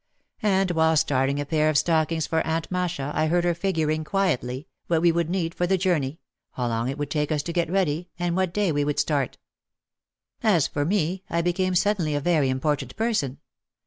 And while starting a pair of stockings for Aunt Masha I heard her figuring quietly, what we would need for the journey, how long it would take us to get ready, and what day we would start. As for me, I became suddenly a very important per son.